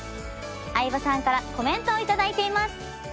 相葉さんからコメントを頂いています。